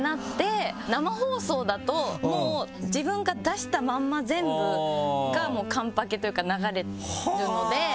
生放送だともう自分が出したまんま全部が完パケというか流れるので。